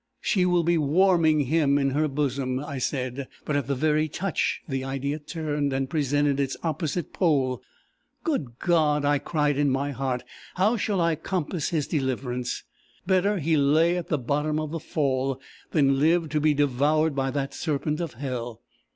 'She will be warming him in her bosom!' I said. But at the very touch, the idea turned and presented its opposite pole. 'Good God!' I cried in my heart, 'how shall I compass his deliverance? Better he lay at the bottom of the fall, than lived to be devoured by that serpent of hell!